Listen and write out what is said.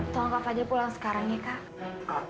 tolong kak fadil pulang sekarang ya kak